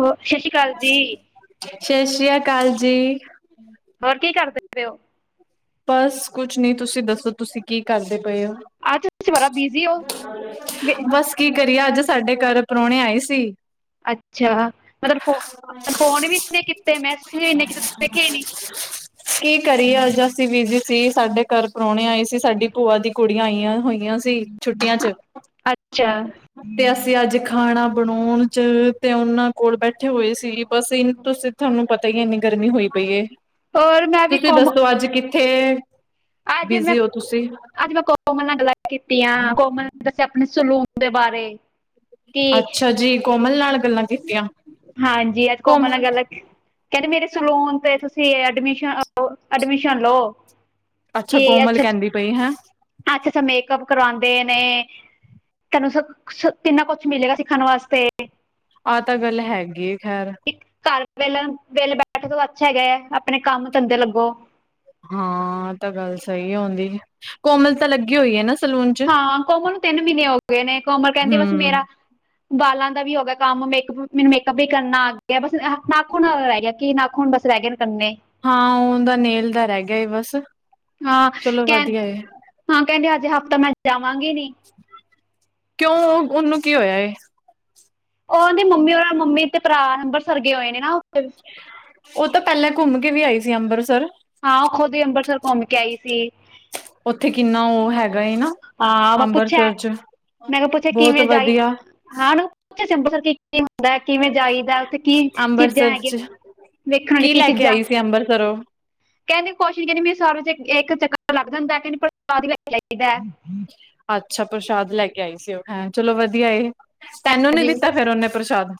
ਹੋ ਸਤਿ ਸ਼੍ਰੀ ਅਕਾਲ ਜੀ। ਸ਼ਤਿ ਸ਼੍ਰੀ ਅਕਾਲ ਜੀ। ਹੋਰ ਕੀ ਕਰਦੇ ਪਏ ਔ? ਬਸ ਕੁਛ ਨੀ, ਤੁਸੀਂ ਦੱਸੋਂ ਤੁਸੀਂ ਕੀ ਕਰਦੇ ਪਏ ਔ? ਅੱਜ ਤੁਸੀਂ ਬੜਾ ਬਿਜ਼ੀ ਹੋ, ਬਸ ਕੀ ਕਰੀਏ ਅੱਜ ਸਾਡੇ ਘਰ ਪ੍ਰਾਹਣੇ ਆਏ ਸੀ। ਅੱਛਾ ਮਤਲਬ ਫ ਫੋਨ ਵੀ ਇੰਨੇ ਕੀਤੇ, ਮੈਸੇਜ ਵੀ ਇੰਨੇਂ ਕੀਤੇ ਤੁਸੀਂ ਵਖੇ ਨੀ। ਕੀ ਕਰੀਏ ਅੱਜ ਅਸੀਂ ਬਿਜੀ ਸੀ, ਸਾਡੇ ਘਰ ਪ੍ਰਾਹੁਣੇ ਆਏ ਸੀ, ਸਾਡੀ ਭੂਆ ਦੀ ਕੁੜੀਆਂ ਆਈਆਂ ਹੋਇਆਂ ਸੀ, ਛੁੱਟੀਆਂ ਚ। ਅੱਛਾ, ਤੇ ਅਸੀਂ ਅੱਜ ਖਾਣਾ ਬਣਾਉਂਣ 'ਚ ਤੇ ਉਹਨਾਂ ਕੋਲ ਬੈਠੇ ਹੋਏ ਸੀ। ਬਸ ਤੁਸੀਂ ਤੁਹਾਨੂੰ ਪਤਾ ਹੀ ਇੰਨੀ ਗਰਮੀ ਹੋਈ ਪਈ ਏ, ਹੋਰ ਮੈਂ ਵੀ ਤੁਸੀਂ ਕੋਮ ਦੱਸੋਂ ਅੱਜ ਕਿ ਖੇ ਅੱਜ ਮੈਂ, ਅੱਜ ਮੈਂ ਕੋ ਮਲ ਨਾਲ ਗੱਲਾਂ ਕੀਤੀਆਂ, ਕੋਮਲ ਨੇ ਦੱਸਿਆਂ ਆਪਣੇ ਸਲੂਨ ਦੇ ਬਾਰੇ। ਕਿ ਅੱਛਾ ਜੀ, ਕੋਮਲ ਨਾਲ ਗੱਲਾਂ ਕੀਤੀਆਂ। ਹਾਂਜੀ, ਅੱਜ ਕੋਮਲ ਕੋਮ ਨ ਗੱਲ ਕਹਿੰਦੇ ਮੇਰੇ ਸਲੂਨ ਤੇ ਤੁਸੀਂ, ਐਡਮਿਸ਼, ਐਡਮਿਸ਼ਨ ਲਓ। ਅੱਛਾ, ਕੋਮਲ ਕਹਿੰਦੀ ਪਈ, ਹੈਂ। ਆਛਾ ਅੱਛਾ ਮੇਕਅੱਪ ਕਰਵਾਉਂਦੇ ਨੇ। ਤੈਨੂੰ ਸ ਸ ਕਿੰਨਾ ਕੁਛ ਮਿਲੇਗਾ, ਸਿੱਖਣ ਵਾਸਤੇ। ਆਹ ਤਾਂ ਗੱਲ ਹੈਗੀ ਖੈਰ। ਇਕ ਘਰ ਵੇ ਵੇਹਲੈ ਬੈਠ ਤੋਂ ਅੱਛਾ ਹੈਗਾ ਹੈ, ਆਪਣੇ ਕੰਮ ਧੰਦੇ ਲੱਗੋਂ। ਹਾਂ ਆ ਤਾਂ ਗੱਲ ਸਹੀ ਆਉਦੀ, ਕੋਮਲ ਤਾਂ ਲੱਗੀ ਹੋਈ ਐ ਨਾ ਸਲੂਨ। ਚ ਹਾਂ, ਕੋਮਲ ਨੂੰ ਤਿੰਨ ਮਹੀਨੇ ਹੋ ਗਏ ਨੇ, ਕੋਮਲ ਕਹਿੰਦੀ ਬਸ ਹਮ ਮੇਰਾ ਬਾਲਾਂ ਦਾ ਵੀ ਹੋ ਗਿਆ ਕੰਮ, ਮੇਕਪ, ਮੈਨੂੰ ਮੇਕਅਪ ਵੀ ਕਰਨਾ ਆ ਗਿਆ, ਬਸ ਨਾਖੂਨ ਹੁਣਾ ਰਹਿ ਗਿਆ ਕੀ ਨਾਖੂਨ ਬਸ ਰਹਿ ਗਏ ਨੇ ਕਰਨੇ। ਹਾਂ, ਉਹ ਦਾ ਨੇਲ ਦਾ ਰਹਿ ਗਿਆ ਹੀ ਬਸ। ਹਾਂ ਚਲੋ ਕਹਿੰ, ਵਧੀਆ ਏ ਹਾਂ ਕਹਿੰਦੇ ਅਜੇ ਹਫ਼ਤਾ ਮੈਂ ਜਾਵਾਂਗੀ ਨੀ। ਕਿਉਂ, ਉਹਨੂੰ ਕੀ ਹੋਇਆ ਇਹ? ਉਹਦੀ ਮੰਮੀ ਰ ਮੰਮੀ ਤੇ ਭਰਾ ਅੰਬਰਸਰ ਗੇ ਹੋਏ ਨੇ ਨਾ, ਉਥੇ ਉਹ ਤਾਂ ਪਹਿਲਾਂ ਘੁੰਮ ਕੇ ਵੀ ਆਈ ਸੀ ਅੰਬਰਸਰ। ਹਾਂ ਉਹ ਖੁਦ ਹੀ ਅੰਬਰਸਰ ਘੁੰਮ ਕੇ ਆਈ ਸੀ। ਉੱਥੇ ਕਿੰਨਾ ਉਹ ਹੈਗਾ ਨਾ ਹਾਂ ਮ ਪੁੱਛਿਆ ਐ, ਅੰਬਰਸਰ ਚ ਮੈਂ ਕਿਹਾ ਪੁੱਛਿਆ ਬਹੁਤ ਕਿਵੇਂ ਜਾਈ, ਵਧੀਆ ਹਾਨ ਮੈਂ ਪੁੱਛਿਆ ਕੀ ਕੀ ਹੁੰਦਾ, ਕਿਵੇਂ ਜਾਈਦਾ, ਉੱਥੇ ਕੀ ਚੀਜ਼ਾਂ ਅੰਬਰਸਰ ਹੈਗੀਆਂ। ਚ ਵੇਖਣ ਲਈ ਕੀ ਲੈ ਕੇ ਚੀਜ਼ਾਂ। ਆਈ ਸੀ ਅੰਬਰਸਰੋਂ ਕਹਿੰਦੀ ਕੁਸ਼ ਨੀ ਕਹਿੰਦੀ, ਮੇ ਸਾਰ 'ਚ ਇੱਕ ਚੱਕਰ ਲੱਗ ਜਾਂਦਾ ਕਹਿੰਦਾ, ਪਰ ਬਾਅਦ ਵਿੱਚ ਜਾਈਦਾ ਅੱਛਾ ਪ੍ਰਸ਼ਾਦ ਲੈ ਕੇ ਆਈ ਸੀ ਉਹ ਹੈਂ, ਚਲੋਂ ਵਧੀਆ ਏ, ਤੈਨੂੰ ਨੀ ਜੀ ਦਿੱਤਾ ਫੇਰ ਨਾ, ਉਹਨੇ ਪ੍ਰਸ਼ਾਦ?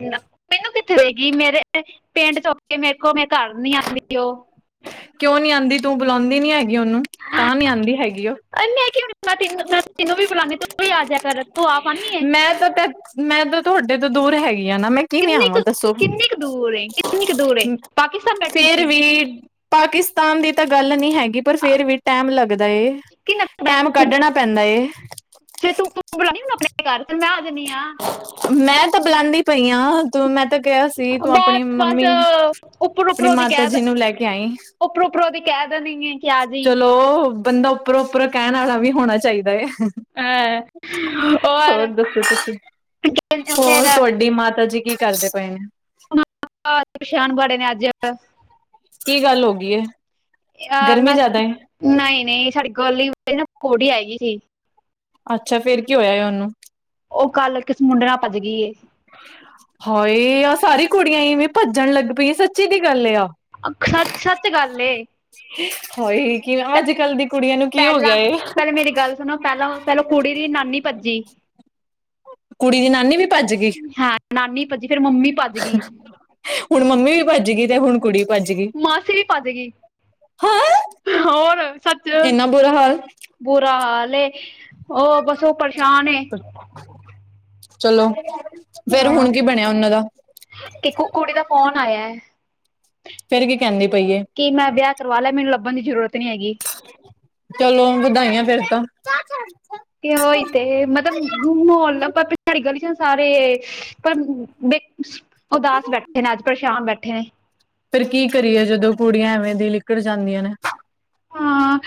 ਮੈਨੂੰ ਕਿੱਥੇ ਦੇਗੀ, ਮੇਰੇ ਪਿੰਡ ਚੁੱਕ ਕੇ ਮੇਰੇ ਕੋਲ ਮੈਂ ਘਰ ਨੀ ਆਉਂਦੀ ਉਹ ਕਿਉਂ ਨੀ ਆਦੀ, ਤੂੰ ਬੁਲਾਉਂਦੀ ਨੀ ਹੈਗੀ ਉਹਨੂੰ, ਤਾਂ ਨੀ ਆਉਂਦੀ ਹੈਗੀ ਉਹ। ਮੈਂ ਕਿਉਂ ਨੀ ਬੁਲਾ, ਤਨੂੰ ਮੈਂ ਤੈਨੂੰ ਵੀ ਬੁਲਾਨਦੀ ਤੂੰ ਵੀ ਆ ਜਿਆ ਕਰ। ਤੂੰ ਆਪ ਆਨੀ ਹੈ ਮੈਂ ਤਾਂ ਤੈ, ਮੈਂ ਤਾਂ ਤੁਹਾਡੇ ਤੋਂ ਦੂਰ ਹੈਗੀ ਆ ਨਾ ਮੈ ਕਿਵੇ ਕਿੰਨੀ ਆਵਾ ਕੁ ਦੱਸੋ? ਕਿੰਨੀ ਕੁ ਦੂਰ ਹੈ ਕਿੰਨੀ ਕੁ ਦੂਰ ਹੈ ਪਾਕਿਸਤਾਨ ਬੈਠੀ ਫੇਰ ਹੈ ਵੀ। ਪਾਕਿਸਤਾਨ ਦੀ ਤਾਂ ਗੱਲ ਨੀ ਹੈਗੀ। ਪਰ ਆ, ਫੇਰ ਵੀ ਟੈਮ ਲੱਗਦਾ ਏ, ਕਿੰਨਾ ਟੈਮ ਕੁ ਬੈ- ਕੱਢਣਾ ਪੈਂਦਾ ਏ। ਜੇ ਤੂੰ- ਤੂੰ ਬੁਲਾਨੀ ਹ ਆਪਣੇ ਘਰ, ਤੇ ਮੈਂ ਆ ਜਾਂਦੀ ਆ। ਮੈਂ ਤਾਂ ਬੁਲਾਦੀ ਪਈ ਆ। ਤੂੰ, ਮੈਂ ਤਾਂ ਕਿਹਾ ਸੀ ਤੂੰ ਆਪਣੀ ਬਸ ਮੰਮੀ, ਬਸ ਉੱਪਰ ਆਪਣੀ ਦੀ ਮਾਤਾ ਕਹਿ ਜੀ ਦ- ਨੂੰ ਲੈ ਕੇ ਆਈ। ਉੱਪਰੋਂ- ਉੱਪਰੋਂ ਦੀ ਕਹਿ ਦੇਨੀ ਐ, ਕਿ ਆ ਜੀ। ਚਲੋ ਬੰਦਾ ਉੱਪਰੋਂ- ਉੱਪਰੋਂ ਕਹਿਣ ਵਾਲਾ ਵੀ ਹੋਣਾ ਚਾਹੀਂਦਾ ਐ। ਆਆ ਹੋਰ ਦੱਸੋ ਹੋਰ ਤੁਹਾਡੀ ਮਾਤਾ ਜੀ ਕੀ ਕਰਦੇ ਪਏ ਨੇ? ਰਾਤ ਦੇ ਪਛਾਣ ਬੜੇ ਨੇ ਅੱਜ ਅਪਾਂ ਕੀ ਗੱਲ ਹੋ ਗਈ ਏ? ਆਹ ਗਰਮੀ ਮੈਂ, ਜ਼ਿਆਦਾ ਏ ਨਹੀਂ -ਨਹੀਂ ਸਾਡੀ ਗਲੀ 'ਚ ਨਾ ਕੁੜੀ ਹੈਗੀ ਸੀ। ਅੱਛਾ, ਫੇਰ ਕੀ ਹੋਯਾ ਏ ਔਨੂੰ? ਓਹ ਕੱਲ, ਕਿਸੀ ਮੁੰਡੇ ਨਾਲ ਭੱਜ ਗੀ ਏ। ਹਾਏ, ਆ ਸਾਰੀ ਕੁੜੀਆਂ ਇਵੇਂ ਭੱਜਣ ਲੱਗ ਪਈ ਆ, ਸੱਚੀ ਦੀ ਗੱਲ ਆ? ਅ ਸੱਚ, ਸੱਚ ਗੱਲ ਏ। ਹਾਏ, ਕਿ ਅੱਜ-ਕੱਲ੍ਹ ਦੀ ਕੁੜੀਆਂ ਨੂੰ ਕੀ ਹੋ ਗਿਆ ਪੈਲਾਂ, ਏ ਪੈਲਾਂ ਮੇਰੀ ਗੱਲ ਸੁਣੋ ਪੈਲਾਂ, ਪੈਲੋ ਕੁੜੀ ਦੀ ਨਾਨੀ ਭੱਜੀ। ਕੁੜੀ ਦੀ ਨਾਨੀ ਵੀ ਭੱਜ ਗੀ। ਹਾਂ, ਨਾਨੀ ਭੱਜੀ, ਫੇਰ ਮੰਮੀ। ਭੱਜ ਗਈ ਹੁਣ ਮੰਮੀ ਵੀ ਭੱਜ ਗੀ, ਤੇ ਹੁਣ ਕੁੜੀ ਭੱਜ ਗੀ। ਮਾਸੀ ਵੀ ਪਾਜਗੀ। ਹੋਰ, ਸੱਚ ਇੰਨਾ ਬੁਰਾ ਹਾਲ। ਬੁਰਾ ਹਾਲ ਏ, ਓਹ ਬਸ ਉਹ ਪਰੇਸ਼ਾਨ ਏ ਚਲੋ, ਫੇਰ ਹੁਣ ਕੀ ਬਣਿਆ ਉਨਾਂ ਦਾ? ਕੀਕੋ ਕੁੜੀ ਦਾ ਫੋਨ ਆਇਆ ਏ। ਫੇਰ ਕੀ ਕੈੰਦੀ ਪਈਏ? ਕਿ ਮੈਂ ਵਿਆਹ ਕਰਵਾ ਲਿਐ, ਮੈਨੂੰ ਲੱਭਣ ਦੀ ਜ਼ਰੂਰਤ ਨੀ ਹੈਗੀ। ਚਲੋ, ਵਧਾਈਆਂ ਫੇਰ ਤਾਂ। ਕਿ ਔਈ ਤੇ, ਮਤਬ ਮੌਲ ਆਪਾਂ ਪਿਛੈਰੀ ਗਲੀ 'ਚ ਸਾਰੇ, ਪਰ ਬੇ ਔਦਾਸ ਬੈਠੇ ਨੇ, ਅੱਜ ਪਰਸ਼ਾਮ ਬੈਠੇ ਨੇ। ਫੇਰ ਕੀ ਕਰੀਏ ਜਦੋਂ ਕੁੜੀਆਂ ਐਵੇਂ ਦੀ ਲਿਕੜ ਜਾਂਦੀਆਂ ਨੇ। ਹਾਂ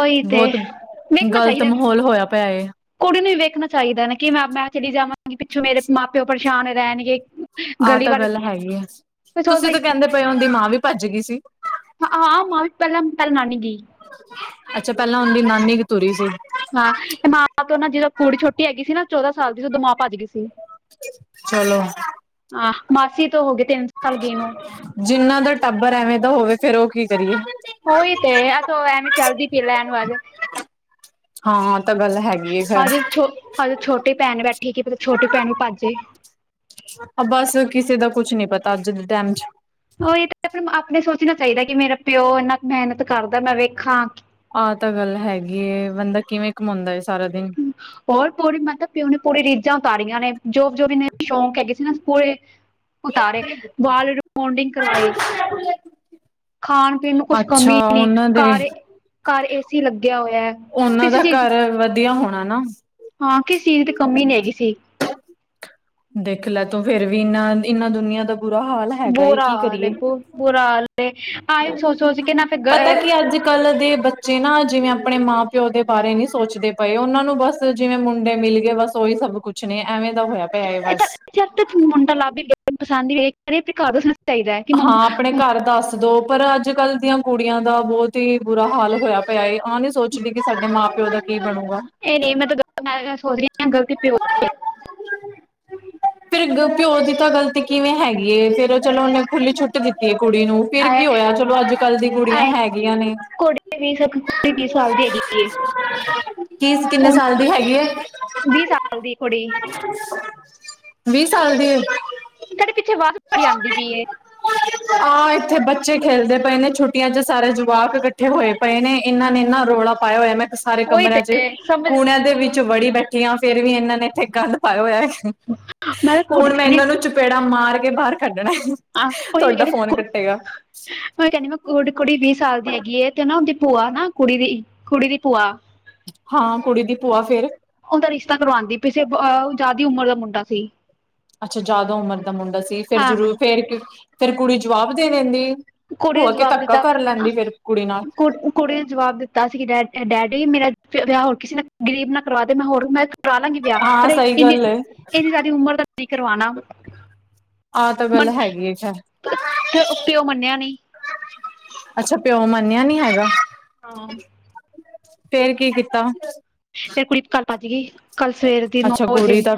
ਉਹੀ ਤੇ ਬੌਤ, ਵੇਖਣਾ ਗ਼ਲਤ ਚਾਹੀਦਾ ਮਹੌਲ ਹੋਯਾ ਪੈ ਏ। ਕੁੜੀ ਨੂੰ ਈ ਵੇਖਣਾ ਚਾਈਦਾ ਨਾ ਕਿ ਮੈਂ ਮੈਂ ਚਲੀ ਜਾਵਾਂਗੀ ਪਿੱਛੋਂ ਮੇਰੇ ਮਾਂ-ਪਿਓ ਪਰਸ਼ਾਨ ਰੈਣਗੇ। ਆਹ ਤਾਂ ਗੱਲ ਹੈਈ ਐ। ਸੋਚਦਾ ਤੁਸੀਂ ਤਾਂ ਕੈੰਦੇ ਪਏ ਉੰਦੀ ਮਾਂ ਵੀ ਭੱਜ ਗਈ ਸੀ। ਹ ਹਾਂ ਮਾਂ ਵੀ ਪੈਲਾਂ ਪੈਲਾ ਨਾਨੀ ਗਈ। ਅੱਛਾ, ਪੈਲਾਂ ਉੰਦੀ ਨਾਨੀ ਕ ਤੂਰੀ ਸੀ। ਹਾਂ, ਤੇ ਮਾਂ ਤੋਂ ਨਾ ਜਦੋਂ ਕੁੜੀ ਛੋਟੀ ਹੈਗੀ ਸੀ ਨਾ ਚੌਦਾਂ ਸਾਲ ਦੀ ਸੀ ਉਦੋਂ ਮਾਂ ਭੱਜ ਗੀ ਸੀ। ਚਲੋ। ਆਹ, ਮਾਸੀ ਤੋਂ ਹੋ ਗਏ ਤਿੰਨ ਸਾਲ ਗਏ ਨੂੰ। ਜਿੰਨਾ ਦਾ ਟੱਬਰ ਐਵੇਂ ਦਾ ਹੋਵੇ, ਫੇਰ ਓਹ ਕੀ ਕਰੀਏ। ਹੋਈ ਤੇ, ਐ ਤੇ ਔ ਐਵੇਂ ਚਲਦੀ ਪੀ ਏ ਲੈਣ ਵਾਜ। ਹਾਂ, ਆ ਤਾਂ ਗੱਲ ਹੈਗੀ ਏ ਖੈਰ। ਹਜੇ ਛੋ ਹਜੇ ਛੋਟੀ ਭੈਣ ਬੈਠੀ ਏ ਕਿ ਪਤਾ ਛੋਟੀ ਭੈਣ ਵੀ ਭੱਜ ਜੇ। ਅ ਬਸ ਕਿਸੇ ਦਾ ਕੁਛ ਨੀ ਪਤਾ, ਅੱਜ ਦੇ ਟੈਮ 'ਚ। ਓਹੀ ਤਾਂ ਅਪਣੇ ਸੋਚਣਾ ਚਾਈਦਾ, ਕਿ ਮੇਰਾ ਪਿਓ ਏਨਾ ਮੈਹਨਤ ਕਰਦਾ, ਮੈਂ ਵੇਖਾਂ ਆਹ ਤਾਂ ਗੱਲ ਹੈਗੀ ਏ, ਬੰਦਾ ਕਿਵੇਂ ਕਮਾਉਂਦਾ ਏ ਸਾਰਾ ਦਿਨ। ਹੋਰ ਪੂਰੀ ਮਤਲਬ ਪਿਓ ਨੇ ਪੂਰੀ ਰੀਝਾਂ ਉਤਾਰੀਆਂ ਨੇ ਜੋ ਜੋ ਇਨੇ ਸ਼ੌਂਕ ਹੈਗੇ ਸੀ ਨਾ ਪੂਰੇ ਉਤਾਰੇ, ਵਾਲ ਰੀਬੋੰਡਿੰਗ ਕਰਵਾਏ। ਖਾਣ-ਪੀਣ ਨੂੰ ਕੁਛ ਅੱਛਾ ਕਮੀ ਨੀ, ਉਹਨਾਂ ਦੇ ਕਾਰੇ ਘੱਰ ਏ ਸੀ ਲੱਗਿਆ ਹੋਇਐ। ਓਹਨਾਂ ਦਾ ਘਰ ਵਧੀਆ ਹੋਣਾ ਨਾ। ਹਾਂ, ਕਿਸੇ ਚੀਜ਼ ਦੀ ਕਮੀ ਨੀ ਹੈਗੀ ਸੀ। ਦੇਖ ਲੈ ਤੋ ਫੇਰ ਵੀ ਇਨਾ, ਇਨਾਂ ਦੁਨੀਆਂ ਦਾ ਬੁਰਾ ਹਾਲ ਹੈਗਾ ਏ ਬੁਰਾ ਕੀ ਹਾਲ ਹੈ ਕਰੀਏ? ਬ ਬੁਰਾ ਹਾਲ ਆਏ ਸੋਚ ਸੋਚ ਕੇ ਨਾ ਪਤਾ ਫਿਰ ਕੀ ਅੱਜ ਅੱਜ-ਕੱਲ ਦੇ ਬੱਚੇ ਨਾ ਜਿਵੇਂ ਆਪਣੇ ਮਾਂ-ਪਿਓ ਦੇ ਬਾਰੇ ਨੀ ਸੋਚਦੇ ਪਏ, ਔਨਾਂ ਨੂੰ ਬਸ ਜਿਵੇਂ ਮੁੰਡੇ ਮਿਲ ਗਏ ਬਸ ਓਹੀ ਸਭ ਕੁਛ ਨੇ, ਐਵੇਂ ਦਾ ਹੋਯਾ ਪਿਆ ਏ ਇਹ ਤਾਂ ਬਸ। ਜਦ ਤੱਕ ਮੁੰਡਾ ਲੱਭ ਹੀ ਪਸੰਦ ਵੇਖਹੜ ਪ੍ਰਕਾਰ ਦ, [unintelligible] ਹਾਂ ਆਪਣੇ ਘਰ ਦੱਸ ਦੋ ਪਰ ਅੱਜ-ਕੱਲ੍ਹ ਦੀਆਂ ਕੁੜੀਆਂ ਦਾ ਬਹੁਤ ਹੀ ਬੁਰਾ ਹਾਲ ਹੋਇਆ ਪਿਆ ਏ ਆਹ ਨੀ ਸੋਚ ਪੁੱਛਦੀ ਕਿ ਸਾਡੇ ਮਾਂ ਪਿਓ ਦਾ ਕੀ ਬਣੂਗਾ, ਇਹ ਨਹੀਂ ਮੈਂ ਤਾਂ ਗਲਤ ਮੈਂ ਸੋਚ ਰਹੀ ਗਲਤੀ ਪਿਓ ਦੀ ਐ, ਫੇਰ ਪਿਓ ਦੀ ਤਾਂ ਗਲਤੀ ਕਿਵੇਂ ਹੈਗੀ ਐ ਫੇਰ ਉਹ ਚਲੋ ਉਹਨੇ ਖੁੱਲੀ ਛੁੱਟ ਦਿੱਤੀ ਐ ਕੁੜੀ ਨੂੰ ਫਿਰ ਕੀ ਆਏ ਹੋਇਆ ਚਲੋ ਅੱਜ-ਕੱਲ ਦੀ ਕੁੜੀਆਂ ਆਏ ਹੈਗੀਆਂ ਨੇ, ਕੁੜੀ ਵੀ ਸਕ ਕੁੜੀ ਸਾਲ ਦੀ ਹੈਗੀ ਏ ਕੀ ਕਿੰਨੇ ਸਾਲ ਦੀ ਹੈਗੀ ਐ, ਵੀਹ ਸਾਲ ਦੀ ਕੁੜੀ, ਵੀਹ ਸਾਲ ਦੀ, ਸਾਡੇ ਪਿੱਛੇ ਆਵਾਜ਼ ਬੜੀ ਆਦੀ ਪਈ ਏ, [unintelligible] ਆਾਂ ਇੱਥੇ ਬੱਚੇ ਖੇਲਦੇ ਪਏ ਨੇ ਛੁੱਟੀਆਂ ਚ ਸਾਰੇ ਜਵਾਕ ਇਕੱਠੇ ਹੋਏ ਪਏ ਨੇ ਇਹਨਾਂ ਨੇ ਇਨਾ ਰੌਲਾ ਪਾਇਆ ਹੋਇਆ ਮੈਂ ਸਾਰੇ ਉਹੀ ਤੇ ਕਮਰਿਆਂ ਚ ਸਮਝ ਕੂਣਿਆਂ ਦੇ ਵਿੱਚ ਵੜੀ ਬੈਠੀ ਆਂ ਫੇਰ ਵੀ ਇਹਨਾਂ ਨੇ ਇੱਥੇ ਗੱਲ ਪਾਇਆ ਹੋਇਆ। ਮੈਂ ਤਾਂ ਕੁੜੀ ਹੁਣ ਮੈਂ ਇਹਨਾਂ ਕਹਿੰਦੀ ਨੂੰ ਚਪੇੜਾ ਮਾਰ ਕੇ ਬਾਹਰ ਕੱਢਣਾ, ਆਹ ਕੋਈ ਤੁਹਾਡਾ ਫੋਨ ਕੱਟੇਗਾ [unintelligible] ਮੈਂ ਕਹਿੰਦੀ ਮੈਂ ਕੁ ਕੁੜੀ ਵੀਹ ਸਾਲ ਦੀ ਹੈਗੀ ਐ ਤੇ ਨਾ ਉਹਦੀ ਭੂਆ ਨਾ ਕੁੜੀ ਦੀ, ਕੁੜੀ ਦੀ ਭੂਆ, ਹਾਂ ਕੁੜੀ ਦੀ ਭੂਆ ਫੇਰ, ਉਹਦਾ ਰਿਸ਼ਤਾ ਕਰਵਾਦੀ ਪਈ ਸੀ ਜ਼ਿਆਦੀ ਉਮਰ ਦਾ ਮੁੰਡਾ ਸੀ, ਅੱਛਾ ਜਿਆਦਾ ਉਮਰ ਦਾ ਮੁੰਡਾ ਸੀ ਫਿਰ ਹਾਂ ਜਰੂਰ ਫੇਰ-ਫੇਰ ਕੁੜੀ ਜਵਾਬ ਦੇ ਦਿੰਦੀ ਕੁੜੀ ਨੇ ਹੋਆ ਕੇ ਜਵਾਬ ਧੱਕਾ ਦਿੱਤਾ ਕਰ ਲੈਂਦੀ ਫੇਰ ਕੁੜੀ ਨਾਲ ਕੁ ਕੁੜੀ ਨੇ ਜਵਾਬ ਦਿੱਤਾ ਸੀ ਕਿ ਡੈ ਡੈਡੀ ਮੇਰਾ ਵਿਆਹ ਹੋਰ ਕਿਸੇ ਨੇ ਗ਼ਰੀਬ ਨਾ ਕਰਵਾ ਦੇ ਮੈਂ ਹੋਰ ਮੈਂ ਕਰਵਾ ਲਾਂਗੀ ਵਿਆਹ ਪਰ ਹਾਂ ਸਹੀ ਇਨੀੇ ਗੱਲ ਏ। ਇਹਨੀ ਜ਼ਿਆਦੀ ਉਮਰ ਦਾ ਨਹੀਂ ਕਰਵਾਣਾ, ਆਹ ਤਾਂ ਮੰਨ ਗੱਲ ਹੈਗੀ ਏ ਖੈਰ ਫਿਰ ਪਿਓ ਮੰਨਿਆ, ਨਹੀਂ ਅੱਛਾ ਪਿਉ ਮੰਨਿਆ ਨੀ ਹੈਗਾ, ਹਾਂ, ਫੇਰ ਕੀ ਕੀਤਾ। ਫੇਰ ਕੁੜੀ ਕੱਲ ਭੱਜ ਗਈ, ਕੱਲ ਸਵੇਰ ਦੀ ਨੌ ਅੱਛਾ ਕੁੜੀ ਵਜੇ ਤਾਂ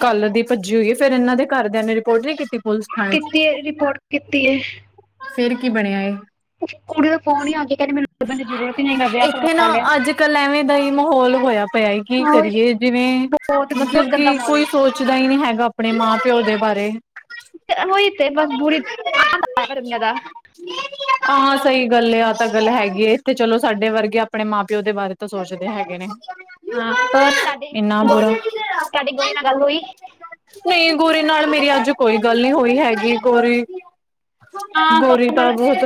ਕੱਲ ਦੀ ਭੱਜੀ ਹੋਈ ਐ ਫੇਰ ਇਹਨਾਂ ਦੇ ਘਰਦਿਆਂ ਨੇ ਰਿਪੋਰਟ ਨੀ ਕੀਤੀ। ਪੁਲਿਸ ਥਾਣੇ ਕੀਤੀ ਐ ਚ। ਰਿਪੋਰਟ ਕੀਤੀ ਐ, ਫੇਰ ਕੀ ਬਣਿਆ ਐ, ਕੁੜੀ ਦਾ ਫੋਨ ਹੀ ਆ ਗਿਆ ਕਹਿੰਦੀ ਮੈਨੂੰ ਲੱਭਣ ਦੀ ਜ਼ਰੂਰਤ ਹੀ ਨਹੀਂ ਮੈਂ ਵਿਆਹ ਇੱਥੇ ਕਰਵਾ ਨਾ ਲਿਆ ਅੱਜ-ਕੱਲ ਐਵੇਂ ਦਾ ਹੀ ਮਾਹੌਲ ਹੋਇਆ, ਪਿਆ ਹੀ ਕੀ ਆਹੋ ਇਹ ਕਰੀਏ ਜਿਵੇਂ ਬਹੁਤ ਬਹੁਤ ਮਤਲਬ ਗੰਦਾ ਕੀ ਮਾਹੌਲ ਕੋਈ, ਏ ਸੋਚਦਾ ਹੀ ਨੀ ਹੈਗਾ ਆਪਣੇ ਮਾਂ ਪਿਓ ਦੇ ਬਾਰੇ, ਉਹੀ ਤੇ ਬਸ ਬੁਰੀ ਆ ਗਰਮੀਆਂ ਦਾ, ਹਾਂ ਸਹੀ ਗੱਲ ਐ ਆਹ ਤਾਂ ਗੱਲ ਹੈਗੀ ਏ ਇਥੇ ਚਲੋ ਸਾਡੇ ਵਰਗੇ ਆਪਣੇ ਮਾਂ ਪਿਓ ਦੇ ਬਾਰੇ ਤਾਂ ਸੋਚਦੇ ਹੈਗੇ ਨੇ। ਹਾਂ ਹੋਰ ਤੁਹਾਡੀ ਇੰਨਾ ਗੋ ਬੁਰਾ ਤੁਹਾਡੀ ਗੋਰੀ ਨਾਲ ਗੱਲ ਹੋਈ, ਨਹੀਂ ਗੋਰੀ ਨਾਲ ਮੇਰੀ ਅੱਜ ਕੋਈ ਗੱਲ ਨੀ ਹੋਈ ਹੈਗੀ ਗੋਰੀ ਗੋਰੀ ਤਾਂ ਬਹੁਤ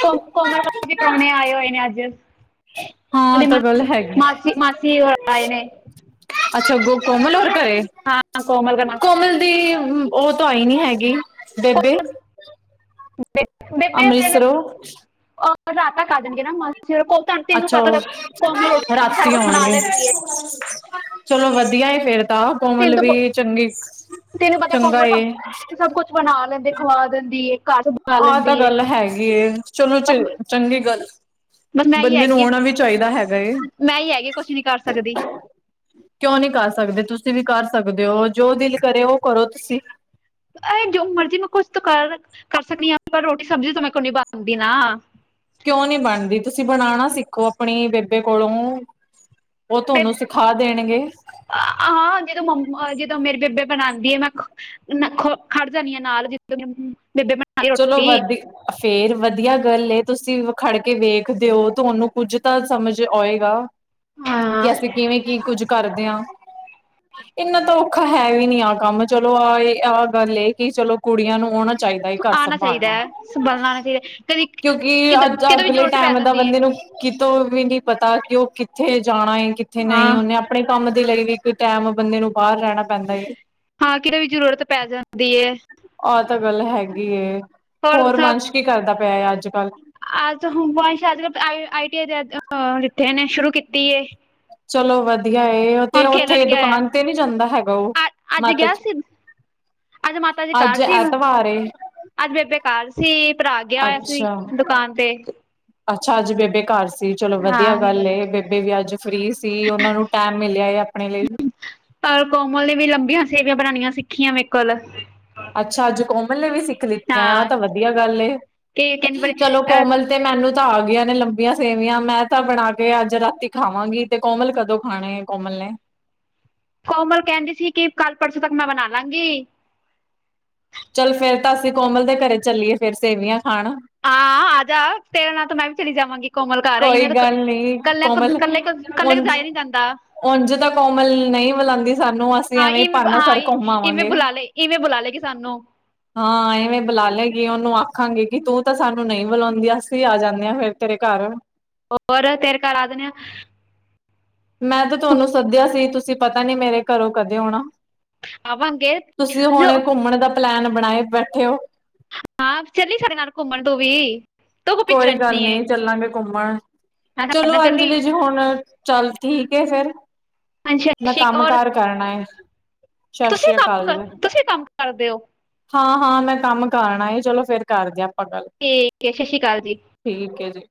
ਕੋ-ਕੋਮਲ ਘਰ ਵੀ ਪ੍ਰਾਹੁਣੇ ਆਏ ਹੋਏ ਨੇ ਅੱਜ, ਹਾਂ ਤਾਂ ਗੱਲ ਹੈਗੀ ਮਾਸੀ-ਮਾਸੀ-ਮਾਸੀ ਹੋਰ ਆਏ ਨੇ, ਅੱਛਾ ਕੋਮਲ ਹੋਰ ਘਰੇ, ਹਾਂ ਕੋਮਲ ਦਾ ਮਾਸੀ ਕੋਮਲ ਦੀ ਉਹ ਤਾਂ ਆਈ ਨੀ ਹੈਗੀ ਬੇਬੇ, [unintelligible] ਅੰਮ੍ਰਿਤਸਰੋਂ ਰਾਤ ਤੱਕ ਆ ਜਾਣਗੇ ਨਾ, ਮਾਸੀ ਤੈਨੂੰ ਅੱਛਾ ਪਤਾ ਉਹ ਕੋਮਲ ਰੋਟੀ ਸਬੀ ਸਾਰਾ ਰਾਤੀ ਕੁਛ ਬਣਾ ਆਉਣਗੇ ਲੈਂਦੀ ਏ ਹ [unintelligible] ਚਲੋ ਵਧੀਆ ਏ ਫੇਰ ਤਾਂ ਕੋਮਲ ਵੀ, ਪ- ਚੰਗੀ, ਤੈਨੂੰ ਪਤਾ ਚੰਗਾ ਕੋਮਲ ਏ, ਸਭ ਸਭ ਕੁਛ ਬਣਾ ਲੈਂਦੇ, ਖਵਾ ਦਿੰਦੀ ਏ ਘਰ, ਸੰਭਾਲ ਆਹ ਤਾਂ ਲੈਂਦੀ ਏ ਗੱਲ ਹੈਗੀ ਹੈ, ਚਲੋ ਚ, ਬਸ ਚੰਗੀ ਗੱਲ ਬਸ ਮੈਂ ਹੀ ਬੰਦੇ ਨੂੰ ਹੈਗੀ ਹਾਂ, ਆਉਣਾ ਵੀ ਚਾਹੀਦਾ ਹੈਗਾ ਏ। ਮੈਂ ਹੀ ਹੈਗੀ ਕੁਝ ਨਹੀਂ ਕਰ ਸਕਦੀ ਕਿਉਂ ਨਹੀਂ ਕਰ ਸਕਦੇ, ਤੁਸੀਂ ਵੀ ਕਰ ਸਕਦੇ ਹੋ, ਜੋ ਦਿਲ ਕਰੇ, ਉਹ ਕਰੋ ਤੁਸੀਂ। ਇਹ ਜੋ ਮਰਜ਼ੀ ਮੈਂ ਕੁਛ ਕਰ, ਕਰ ਸਕਦੀ ਹਾਂ ਪਰ ਰੋਟੀ ਸਬਜ਼ੀ ਤਾਂ ਮੈਂ ਕੋਲ ਨੀ ਬਣਦੀ ਨਾ। ਕਿਉਂ ਨੀ ਬਣਦੀ, ਤੁਸੀਂ ਬਣਾਉਣਾ ਸਿੱਖੋ ਆਪਣੀ ਬੇਬੇ ਕੋਲੋਂ ਉਹ ਬੇਬੇ ਤੁਹਾਨੂੰ ਸਿਖਾ ਦੇਣਗੇ। ਹਾਂ ਜਦੋਂ ਮੰਮ ਜਦੋਂ ਮੇਰੇ ਬੇਬੇ ਬਣਾਉਂਦੀ ਆ ਮੈਂ ਖ ਖੜ ਜਾਣੀ ਨਾਲ ਜਿਸ ਬੇਬੇ ਬਣਾਉਂਦੀ ਚਲੋ ਰੋਟੀ ਵਧੀ ਫੇਰ ਵਧੀਆ ਗੱਲ, ਤੁਸੀਂ ਖੜ ਕੇ ਵੇਖਦੇ ਹੋ, ਤੁਹਾਨੂੰ ਕੁੱਝ ਤਾਂ ਸਮਝ ਆਏਗਾ। ਹਾਂ ਜੈਸੇ ਕਿ, ਕਿਵੇਂ ਕੀ ਕੁੱਝ ਕਰਦੇ ਹਾਂ। [inaudible] ਇੰਨਾ ਤਾਂ ਔਖਾ ਹੈ ਵੀ ਨੀ ਆਹ ਕੰਮ, ਚਲੋ ਆਹ ਇਹ ਆਹ ਗੱਲ ਇਹ ਕਿ ਚਲੋ ਕੁੜੀਆਂ ਨੂੰ ਆਉਣਾ ਚਾਹੀਦਾ। ਹੈ ਘਰ ਆਉਣਾ ਚਾਹੀਦਾ ਸੰਭਾਲਣਾ, ਹੈ ਸੰਭਲਣਾ ਆਉਣਾ ਚਾਹੀਦਾ ਕਦੀ ਕਿਉਂਕਿ ਕਿ ਅੱਜ ਕਿਦੋਂ ਵੀ ਅਗਲੇ ਜ਼ਰੂਰਤ ਪੈ ਟਾਈਮ ਦਾ ਜਾਂਦੀ ਹੈ ਬੰਦੇ ਨੂੰ ਕਿਤੋਂ ਵੀ ਨੀ ਪਤਾ, ਕਿ ਉਹ ਕਿੱਥੇ ਜਾਣਾ ਏ, ਕਿੱਥੇ ਨਹੀਂ ਹਾਂ ਉਹਨੇ ਆਪਣੇ ਕੰਮ ਦੇ ਲਈ ਵੀ, ਇਕ ਟਾਈਮ ਬੰਦੇ ਨੂੰ ਬਾਹਰ ਜਾਣਾ ਹਾਂ ਕਿਤੇ ਵੀ ਜ਼ਰੂਰਤ ਪੈ ਜਾਂਦੀ ਏ। ਆ ਤਾਂ ਗੱਲ ਹੈਗੀ, ਹੋਰ ਵੰਸ਼ ਕੀ ਕਰਦਾ ਪਿਆ ਅੱਜ -ਕੱਲ। ਅੱਜ ਹੁਣ ਬ ਅੱ ਆਈ ਟੀ ਆਈ ਜਿਥੇ ਨੇ ਸ਼ੁਰੂ ਕੀਤੀ ਏ। ਚਲੋ ਵਧੀਆ। ਵਧੀਆ ਏ, ਤੇ ਉੱਥੇ ਖੇਲਣ ਗਿਆ ਹੈ ਦੁਕਾਨ ਤੇ ਨੀ ਜਾਂਦਾ ਹੈਗਾ ਉਹ, ਅੱਜ ਮਤ ਗਿਆ 'ਚ ਸੀ ਅੱਜ ਮਾਤਾ ਜੀ ਘਰ ਅੱਜ ਸੀ ਐਤਵਾਰ ਏ। ਅੱਜ ਬੇਬੇਘਰ ਸੀ, ਭਰਾ ਗਿਆ ਹੋਇਆ ਸੀ, ਅੱਛਾ ਦੁਕਾਨ ਤੇ ਅੱਛਾ, ਅੱਜ ਬੇਬੇ ਘਰ ਸੀ। ਚਲੋ ਵਧੀਆ ਹਾਂ ਗੱਲ ਏ, ਬੇਬੇ ਵੀ ਅੱਜ ਫਰੀ ਸੀ, ਉਹਨਾ ਨੂੰ ਟੈਮ ਮਿਲਿਆ ਆਪਣੇ ਲਈ। ਕਲ ਕੋਮਲ ਨੇ ਵੀ ਲੰਬੀਆਂ ਸੇਵੀਆਂ ਬਣਾਉਣੀਆਂ ਸਿੱਖੀਆਂ ਮੇਰੇ ਕੋਲ ਅੱਛਾ, ਅੱਜ ਕੋਮਲ ਨੇ ਵੀ ਸਿੱਖ ਲਿੱਤੀਆਂ, ਆ ਹਾਂ ਤਾਂ ਵਧੀਆ ਗੱਲ, ਕਿ ਕਹਿੰਦੀ ਬੜੇ ਚਲੋ ਅਹ ਕੋਮਲ ਤੇ ਮੈਨੂੰ ਤਾਂ ਆ ਗੀਆਂ ਨੇ ਲੰਬੀਆਂ ਸੇਵੀਆਂ, ਮੈਂ ਤਾਂ ਬਣਾ ਕੇ ਅੱਜ ਰਾਤੀ ਖਾਵਾਂਗੀ। ਤੇ ਕੋਮਲ ਕਦੋਂ ਖਾਣੇ, ਕੋਮਲ ਨੇ ਕੋਮਲ ਕਹਿੰਦੀ ਸੀ, ਕਿ ਕੱਲ ਪਰਸੋਂ ਤੱਕ ਮੈਂ ਬਨਾ ਲਾਂਗੀ। ਚੱਲ ਫੇਰ ਤਾਂ ਅਸੀਂ ਕੋਮਲ ਦੇ ਘਰੇ ਚੱਲੀਏ, ਫੇਰ ਸੇਵੀਆਂ ਖਾਣ। ਹਾਂ, ਆ ਜਾ, ਤੇਰੇ ਨਾਲ ਤਾਂ ਮੈਂ ਵੀ ਚਲੀ ਜਾਵਾਂਗੀ। ਕੋਮਲਘਰ ਆ ਕੋਈ ਇਵੇਂ, ਤਾਂ ਗੱਲ ਨੀ ਕੱਲਿਆਂ ਕੋਮਲ ਕੱਲੇ, ਕੱਲੇ ਉਝ ਕੁ ਜਾਇ ਨੀ ਜਾਂਦਾ। ਉਂਝ ਤਾਂ ਕੋਮਲ ਨਹੀਂ ਬੁਲਾਉਂਦੀ ਸਾਨੂੰ ਅਸੀਂ, ਹਾਂ ਐਵੇਂ ਇਵੇਂ ਬਹਾਣਾ ਹਾਂ ਘੁਮ ਇਵੇਂ ਆਵਾਂਗੇ। ਬੁਲਾ ਲੈ ਇਵੇਂ ਬੁਲਾ ਲਏ ਗੇ ਸਾਨੂੰ। ਹਾਂ ਐਵੇਂ ਬੁਲਾ ਲਏਗੀ ਉਹਨੂੰ, ਆਖਾਂਗੇ ਕਿ ਤੂੰ ਤਾਂ ਸਾਨੂੰ ਨਹੀਂ ਬੁਲਾਉਂਦੀ ਅਸੀਂ ਆ ਜਾਂਦੇ ਹਾਂ ਫੇਰ ਤੇਰੇ ਘਰ। ਹੋਰ, ਤੇਰੇ ਘਰ ਆ ਜਾਨੇ ਆ। ਮੈਂ ਤਾਂ ਤੁਹਾਨੂੰ ਸੱਦਿਆ ਸੀ। ਤੁਸੀਂ ਪਤਾ ਨੀ ਮੇਰੇ ਘਰੋਂ ਕਦੇ ਆਉਣਾ। ਆਵਾਂਗੇ ਤੁਸੀਂ ਹੁਣੇ ਜੋ ਘੁੰਮਣ ਦਾ ਪਲੈਨ ਬਣਾਏ ਬੈਠੇ ਹੋ। ਹਾਂ, ਚੱਲੀ ਸਾਡੇ ਨਾਲ ਘੁੰਮਣ ਤੂੰ ਵੀ। ਤੂੰ ਕੋ ਪਿੱਛੇ ਕੋਈ ਗੱਲ ਰਹਿੰਦੀ ਏ ਨੀ ਚੱਲਾਂਗੇ ਘੁੰਮਣ, ਮੈਂ ਸਾਡੇ ਚਲੋ ਨਾਲ ਚੱਲੀ ਅੰਜਲੀ ਜੀ ਹੁਣ ਚੱਲ ਠੀਕ ਐ ਫੇਰ ਹਾਂਜੀ ਸਤਿ ਮੈਂ ਸ਼੍ਰੀ ਅਕਾਲ। ਕੰਮ ਔਰ ਕਾਰ ਕਰਨਾ ਐ। ਤੁਸੀਂ ਕੰਮ ਕਰ ਤੁਸੀਂ ਕੰਮ ਕਰਦੇ ਔ। ਹਾਂ-ਹਾਂ ਮੈਂ ਕੰਮ ਕਰਨਾ ਚਲੋ ਫੇਰ ਕਰਦੇ ਆਪਾਂ ਗੱਲ। ਠੀਕ ਐ ਸਤਿ ਸ਼੍ਰੀ ਅਕਾਲ ਜੀ। ਠੀਕ ਐ ਜੀ।